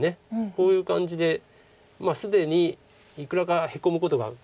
こういう感じで既にいくらかヘコむことがある。